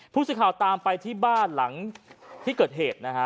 ผู้สื่อข่าวตามไปที่บ้านหลังที่เกิดเหตุนะฮะ